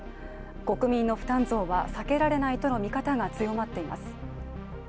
国民の負担増は避けられないとの見方が強まっています。